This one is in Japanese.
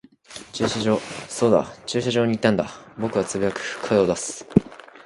駐車場。そうだ、駐車場に行ったんだ。僕は呟く、声を出す。